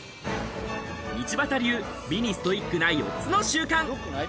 道端流、美にストイックな４つの習慣。